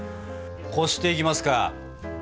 こしていきますか。